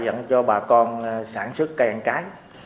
dẫn cho bà con sản xuất cây ăn trái